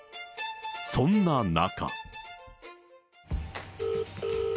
そんな中。